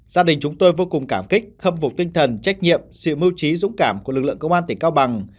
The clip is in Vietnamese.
gia đình chúng tôi vô cùng cảm kích khâm phục tinh thần trách nhiệm sự mưu trí dũng cảm của lực lượng công an tỉnh cao bằng